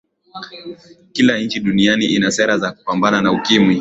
kila nchi duniani ina sera za kupambana na ukimwi